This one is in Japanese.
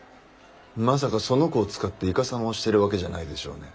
まさかその子を使っていかさまをしてるわけじゃないでしょうね？